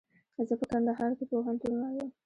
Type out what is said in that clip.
زه په کندهار کښي پوهنتون وایم.